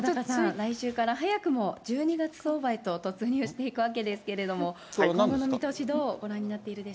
来週から早くも１２月相場へと突入していくわけですけれども。